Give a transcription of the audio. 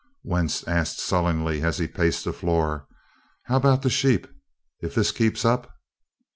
Wentz asked sullenly, as he paced the floor: "How about the sheep, if this keeps up?"